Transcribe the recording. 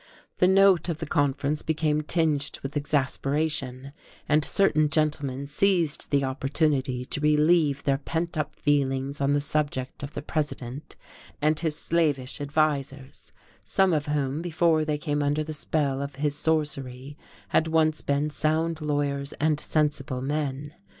The note of the conference became tinged with exasperation, and certain gentlemen seized the opportunity to relieve their pent up feelings on the subject of the President and his slavish advisers, some of whom, before they came under the spell of his sorcery, had once been sound lawyers and sensible men.